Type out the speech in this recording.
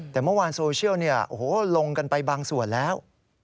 แต่เมื่อวานโซเชียลลงกันไปบางส่วนแล้ว